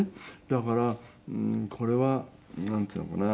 だからこれはなんていうのかな。